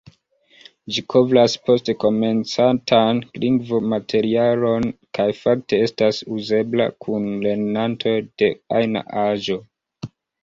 Ĝi kovras post-komencantan lingvo-materialon kaj fakte estas uzebla kun lernantoj de ajna aĝo.